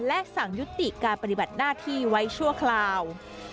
และสั่งยุติการปฏิบัติหน้าที่ไว้ชั่วคราว